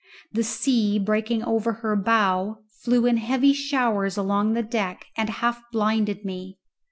The sea, breaking on her bow, flew in heavy showers along the deck and half blinded me.